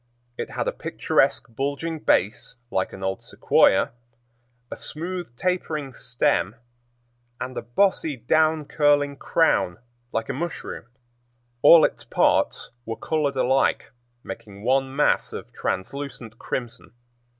It had a picturesque, bulging base like an old sequoia, a smooth, tapering stem, and a bossy, down curling crown like a mushroom; all its parts were colored alike, making one mass of translucent crimson.